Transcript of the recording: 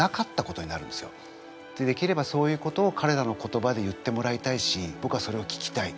できればそういうことをかれらの言葉で言ってもらいたいしぼくはそれを聞きたい。